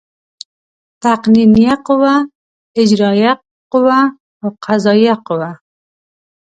تقنینیه قوه، اجرائیه قوه او قضایه قوه.